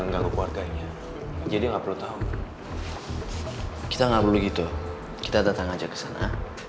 mengganggu keluarganya jadi nggak perlu tahu kita nggak perlu gitu kita datang aja kesana